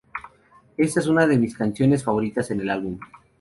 Esta es una de mis canciones favoritas en el álbum.